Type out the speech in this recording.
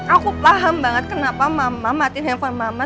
aku paham banget kenapa mama mati handphone mama